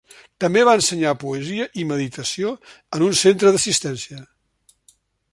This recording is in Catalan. També va ensenyar poesia i meditació en un centre d'assistència.